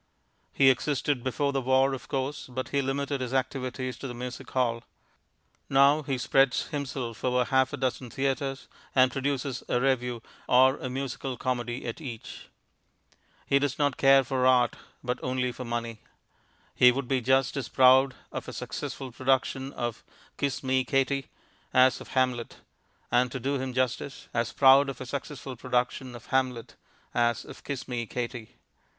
He existed before the war, of course, but he limited his activities to the music hall. Now he spreads himself over half a dozen theatres, and produces a revue or a musical comedy at each. He does not care for Art, but only for Money. He would be just as proud of a successful production of Kiss Me, Katie, as of Hamlet; and, to do him justice, as proud of a successful production of Hamlet, as of Kiss Me, Katie.